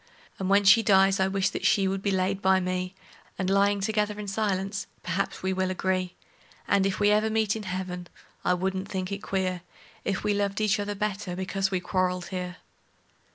And when she dies I wish that she would be laid by me, And, lyin' together in silence, perhaps we will agree; And, if ever we meet in heaven, I wouldn't think it queer If we loved each other the better because we quarreled here.